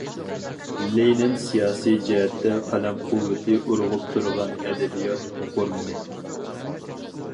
لېنىن سىياسىي جەھەتتە قەلەم قۇۋۋىتى ئۇرغۇپ تۇرغان ئەدەبىيات ئوقۇرمىنى.